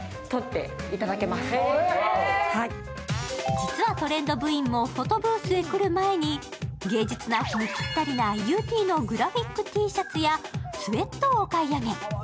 実はトレンド部員もフォトブースへ来る前に芸術の秋にぴったりなＵＴのグラフィックＴシャツやスウェットをお買い上げ。